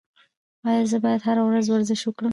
ایا زه باید هره ورځ ورزش وکړم؟